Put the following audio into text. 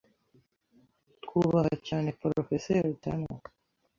Twubaha cyane Porofeseri Turner.